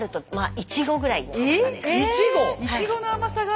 イチゴ？